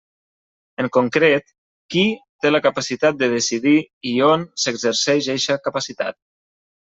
En concret, «qui» té la capacitat de decidir i «on» s'exerceix eixa capacitat.